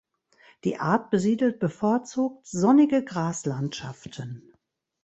Die Art besiedelt bevorzugt sonnige Graslandschaften.